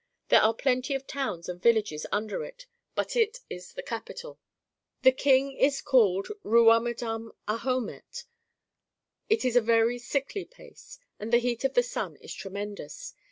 There are plenty of towns and villages under it, but it is the capital. The King is called Ruomedam Ahomet. It is a very sickly place, and the heat of the sun is tremendous.